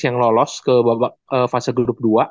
yang lolos ke babak fase grup dua